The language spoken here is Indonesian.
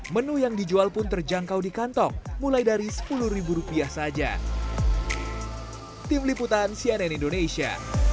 menu yang dijual pun terjangkau di kantong mulai dari sepuluh rupiah saja